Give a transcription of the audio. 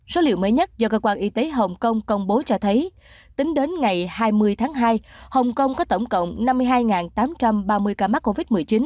số liệu mới nhất do cơ quan y tế hồng kông công bố cho thấy tính đến ngày hai mươi tháng hai hồng kông có tổng cộng năm mươi hai tám trăm ba mươi ca mắc covid một mươi chín